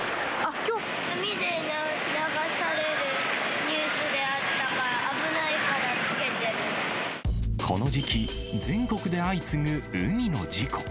海で流されるニュースがあったから、この時期、全国で相次ぐ海の事故。